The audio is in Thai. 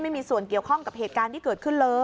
เหมือนใช่